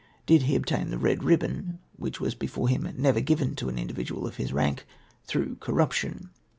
Did he obtain the red ribbon, which was before him never given to an individual of his rank, through cor ruption